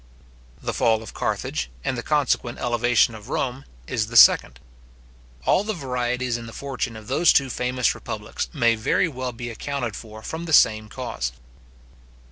The fall of Carthage, and the consequent elevation of Rome, is the second. All the varieties in the fortune of those two famous republics may very well be accounted for from the same cause.